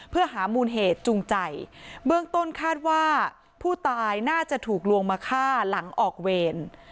เพื่อหามูลเหตุจูงใจเบื้องต้นคาดว่าผู้ตายน่าจะถูกลวงมาฆ่าหลังออกเวร